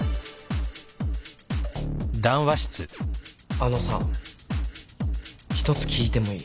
あのさ一つ聞いてもいい？